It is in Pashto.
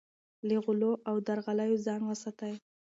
له غلو او درغلیو ځان وساتئ.